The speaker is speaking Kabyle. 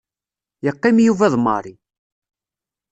Yeqqim Yuba d Mary.